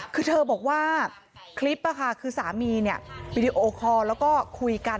คือเธอบอกว่าคลิปคือสามีวีดีโอคอร์แล้วก็คุยกัน